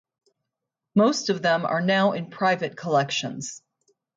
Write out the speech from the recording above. Most of them are now in private collections.